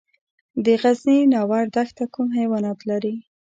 د غزني ناور دښته کوم حیوانات لري؟